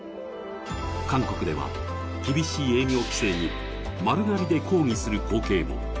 韓国では厳しい営業規制に丸刈りで抗議する光景も。